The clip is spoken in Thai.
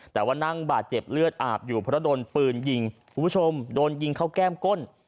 แต่ว่านั่งบาดเจ็บเลือดอาบอยู่เพราะโดนปืนยิงคุณผู้ชมโดนยิงเข้าแก้มก้น